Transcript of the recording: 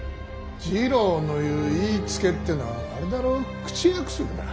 次郎の言う言いつけってのはあれだろ口約束だ。